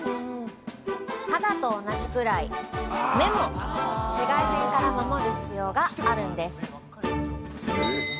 肌と同じぐらい「目」も、紫外線から守る必要があるんです。